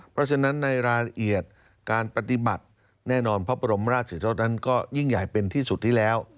เพราะฉะนั้นในรายละเอียดการปฏิบัติแน่นอนพระบรมราชศรีทศนั้นก็ยิ่งใหญ่เป็นที่สุดที่แล้ว